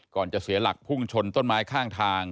จะเสียหลักพุ่งชนต้นไม้ข้างทาง